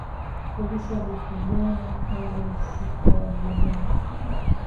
Polisi walipiga kambi usiku wa Ijumaa